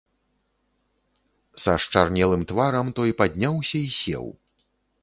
Са счарнелым тварам, той падняўся і сеў.